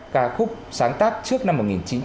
ca khúc sáng tác trước năm một nghìn chín trăm bảy mươi